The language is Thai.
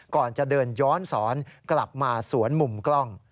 ก่อนจะเดินย้อนสอนกลับมาสวนมุมกล้อง